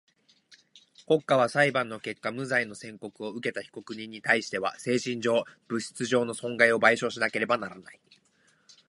国家は裁判の結果無罪の宣告をうけた被告人にたいしては精神上、物質上の損害を賠償しなければならない。